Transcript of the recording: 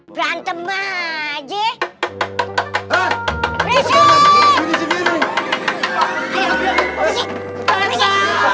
hai berantem aja